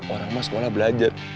orang mah sekolah belajar